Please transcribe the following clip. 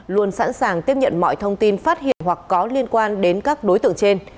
luôn sẵn sàng tiếp nhận mọi thông tin phát hiện hoặc có liên quan đến các đối tượng trên